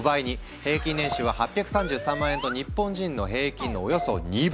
平均年収は８３３万円と日本人の平均のおよそ２倍！